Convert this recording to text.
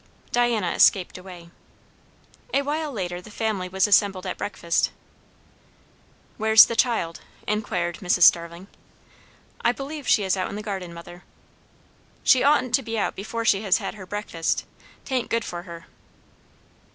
Diana escaped away. A while later the family was assembled at breakfast. "Where's the child?" inquired Mrs. Starling. "I believe she is out in the garden, mother." "She oughtn't to be out before she has had her breakfast. 'Tain't good for her."